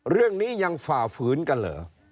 เรื่องนี้ยังฝ่าฝืนกันเหรอ